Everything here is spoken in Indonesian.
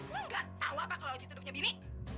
lo nggak tahu apa kalau oji itu duduknya bini